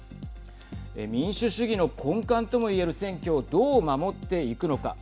民主主義の根幹とも言える選挙をどう守っていくのか。